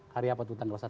hari apa tuh tanggal satu